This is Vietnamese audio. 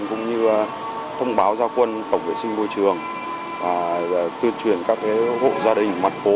cũng như thông báo giao quân tổng vệ sinh môi trường tuyên truyền các hộ gia đình mặt phố